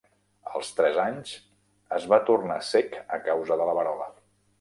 Als tres anys es va tornar cec a causa de la verola.